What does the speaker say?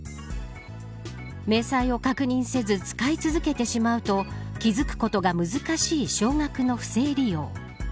明細を確認せず使い続けてしまうと気付くことが難しい小額の不正利用。